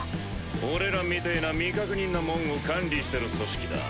俺らみてぇな未確認な者を管理してる組織だ。